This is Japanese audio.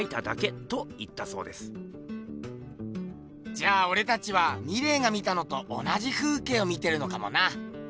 じゃあおれたちはミレーが見たのと同じ風景を見てるのかもな。